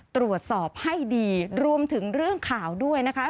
ตรวจสอบให้ดีรวมถึงเรื่องข่าวด้วยนะคะ